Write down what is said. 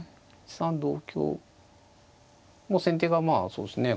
１三同香もう先手がまあそうですね